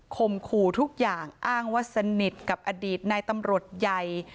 มขู่ทุกอย่างอ้างว่าสนิทกับอดีตนายตำรวจใหญ่